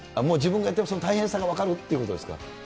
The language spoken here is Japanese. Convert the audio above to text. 自分がやってて、大変さが分かるっていうことですか。